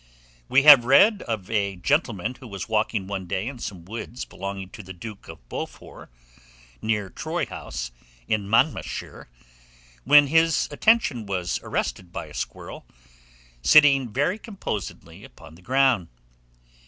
We have read of a gentleman who was walking one day in some woods belonging to the Duke of Beaufort, near Troy House, in Monmouthshire, when his attention was arrested by a squirrel, sitting very composedly upon the ground.